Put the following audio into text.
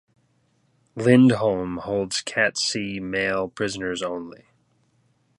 Lindholme holds Cat C male prisoners only.